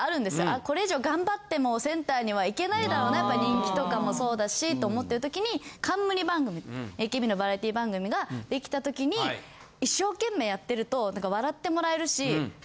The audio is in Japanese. あこれ以上頑張ってもセンターにはいけないだろなやっぱ人気とかもそうだしと思ってる時に冠番組ＡＫＢのバラエティー番組ができた時に一生懸命やってると。